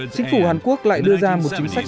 chính phủ hàn quốc lại đưa ra một chính sách